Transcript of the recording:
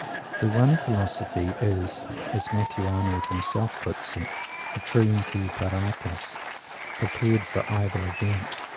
The "one philosophy" is, as Matthew Arnold himself puts it, "utrumque paratus," prepared for either event.